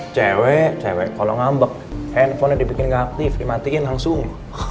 cewek cewek kalau ngambek handphonenya dibikin nggak aktif dimatiin langsung